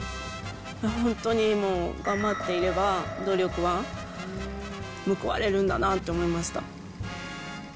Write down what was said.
本当にもう頑張っていれば、努力は報われるんだなって思いました。